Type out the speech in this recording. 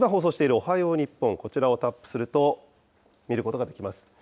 おはよう日本、こちらをタップすると、見ることができます。